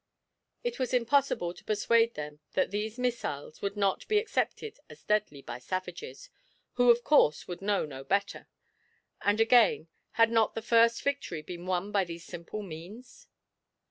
It was impossible to persuade them that these missiles would not be accepted as deadly by savages, who of course would know no better; and again, had not the first victory been won by these simple means?